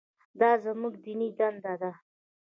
دا زموږ دیني دنده ده.